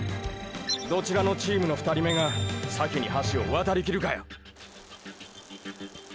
どちらかのチームの２人目が先に橋を渡りきるかや。